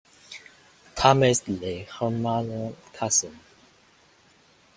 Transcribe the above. Thomas Leigh, her mother's cousin.